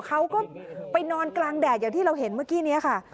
เขาก็ไปนอนกลางแดดอย่างที่เราเห็นเมื่อกี้นี้ค่ะ